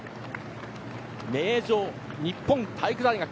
名城、日本体育大学。